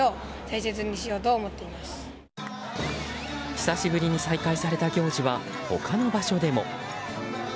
久しぶりに再開された行事は他の場所でも。